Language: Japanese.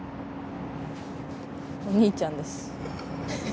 お兄ちゃんです。